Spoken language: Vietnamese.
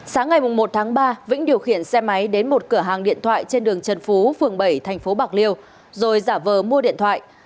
sáng ngày một tháng ba vĩnh điều khiển xe máy đến một cửa hàng điện thoại trên đường trần phú phường bảy thành phố bạc liêu rồi giả vờ mua điện thoại